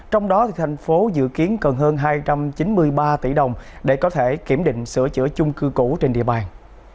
trong đó thành phố dự kiến cần hơn hai trăm chín mươi ba tỷ đồng để có thể kiểm định sửa chữa chung cư cũ trên địa bàn